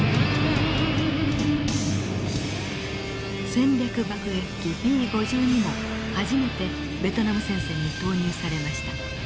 戦略爆撃機Ｂ５２も初めてベトナム戦線に投入されました。